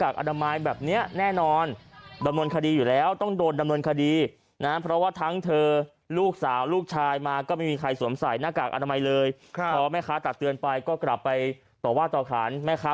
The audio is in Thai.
ใช่พื้นที่สีแดงเข้มเลยนะคะ